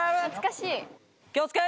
気を付け！